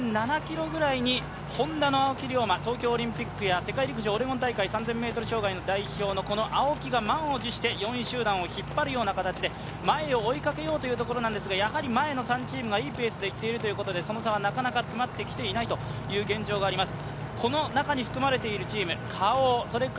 そして、７ｋｍ手前６．７ｋｍぐらいにＨｏｎｄａの青木涼真、東京オリンピック、世界陸上オレゴン大会３０００ｍ障害の代表の青木が満を持して４位集団を引っ張るような形で前を追いかけようというところなんですが、前の３チームがいいペースでいっているということでその差はなかなか詰まってきていないという現状があります。